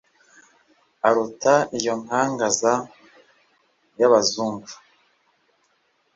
aruta iyo nkangaza y'abazungu